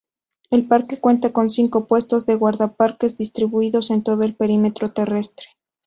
El parque cuenta con cinco puestos de guardaparques distribuidos en todo el perímetro terrestre.